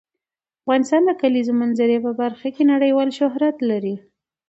افغانستان د د کلیزو منظره په برخه کې نړیوال شهرت لري.